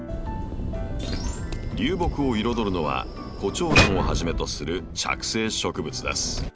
流木を彩るのはコチョウランをはじめとする着生植物です。